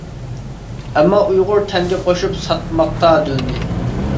ئەمما ئۇيغۇر تەنگە قوشۇپ ساتماقتا دىلنى.